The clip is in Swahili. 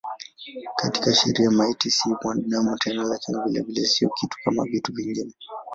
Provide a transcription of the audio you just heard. Katika sheria maiti si mwanadamu tena lakini vilevile si kitu kama vitu vingine.